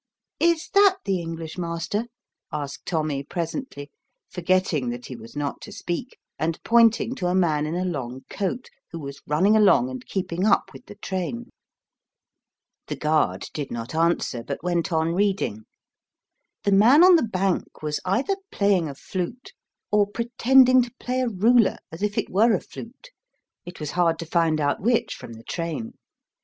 "Is that the English master ?" asked Tommy presently, for getting that he was not to speak, and pointing to a man in a long coat who was running along and keeping up with the train. The guard did not And the guard gets a jography lesson. 1 9 answer, but went on reading. The man on the bank was either playing a flute or pretending to play a ruler, as if it were a flute ; it was hard to find out which, from the train.